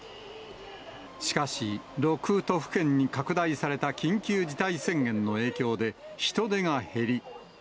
しかし、６都府県に拡大された緊急事態宣言の影響で、人出が減り。